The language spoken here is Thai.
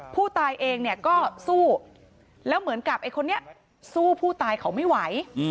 ผู้ตายเองเนี่ยก็สู้แล้วเหมือนกับไอ้คนนี้สู้ผู้ตายเขาไม่ไหว